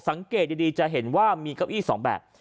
สังเกตดีจะเห็นว่ามีเก้าอี้๒แบบ